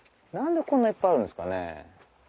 何でこんないっぱいあるんですかね？